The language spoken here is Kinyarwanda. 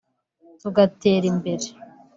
tugatera imbere